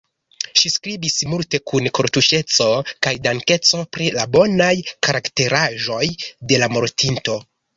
Ŝi skribis multe, kun kortuŝeco kaj dankeco, pri la bonaj karakteraĵoj de la mortinto.